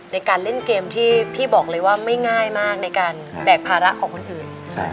ในการเล่นเกมที่พี่บอกเลยว่าไม่ง่ายมากในการแบกภาระของคนอื่น